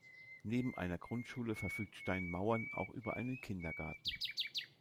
Neben einer Grundschule verfügt Steinmauern auch über einen Kindergarten.